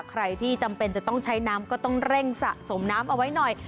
ใครที่จำเป็นจะต้องใช้น้ำก็ต้องเร่งสะสมน้ำเอาไว้หน่อย